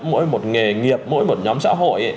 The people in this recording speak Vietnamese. mỗi một nghề nghiệp mỗi một nhóm xã hội